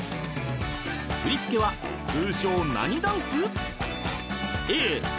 ［振り付けは通称何ダンス？］